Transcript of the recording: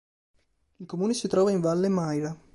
Il comune si trova in valle Maira.